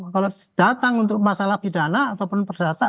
kalau datang untuk masalah pidana ataupun perdata